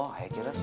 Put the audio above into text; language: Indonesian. jun yang ngerusakin